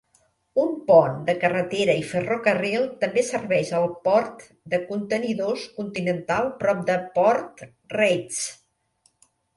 Un pont de carretera i ferrocarril també serveix al port de contenidors continental prop de Port Reitz.